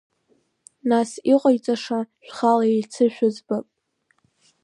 Нас иҟаиҵаша шәхала еицышәыӡбап.